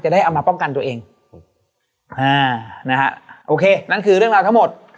ได้เอามาป้องกันตัวเองอ่านะฮะโอเคนั่นคือเรื่องราวทั้งหมด